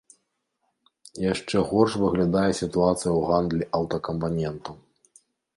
Яшчэ горш выглядае сітуацыя ў гандлі аўтакампанентаў.